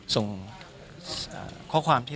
ส่งข้อความที่